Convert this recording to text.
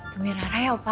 tungguin rara ya opa